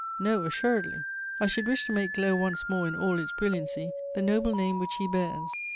No, assuredly: I should wish to make glow once more in all its brilliancy the noble name which he bears.